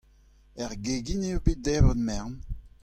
Er gegin eo bet debret merenn.